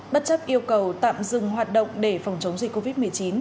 bất chấp yêu cầu tạm dừng hoạt động để phòng chống dịch covid một mươi chín